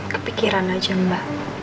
kepikiran aja mba